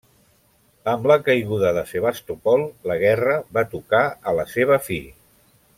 Amb la caiguda de Sebastòpol, la guerra va tocar a la seva fi.